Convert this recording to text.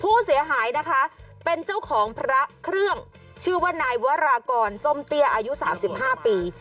ผู้เสียหายนะคะเป็นเจ้าของพระเครื่องชื่อว่านายวรากรส้มเตี้ยอายุ๓๕ปี